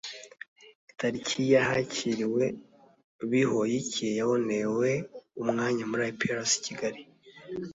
tariki ya hakiriwe bihoyiki yabonewe umwanya muri iprc kigali